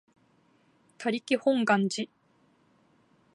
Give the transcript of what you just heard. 他力本願寺